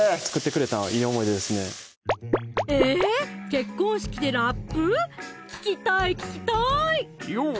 結婚式でラップ⁉聴きたい聴きたい「ＹＯ！